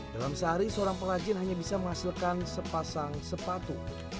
dalam sehari seorang pengrajin hanya bisa menghasilkan sepasang sepatu